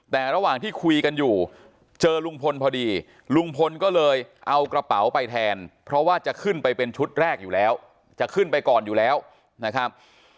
แต่ระหว่างที่คุยกันอยู่เจอลุงพลพอดีลุงพลก็เลยเอากระเป๋าไปแทนเพราะว่าจะขึ้นไปเป็นชุดแรกอยู่แล้วจะขึ้นไปก่อนอยู่แล้วนะครับ